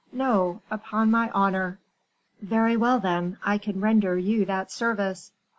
"No, upon my honor." "Very well, then, I can render you that service."